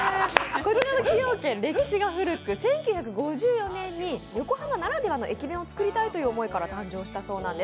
こちらの崎陽軒、歴史が古く、１９５４年に横浜ならではの駅弁を作りたいという思いから誕生したそうです。